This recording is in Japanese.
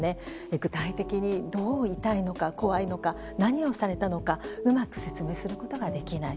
具体的にどう痛いのか怖いのか何をされたのかうまく説明することができない。